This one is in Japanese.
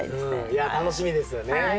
いや楽しみですよね。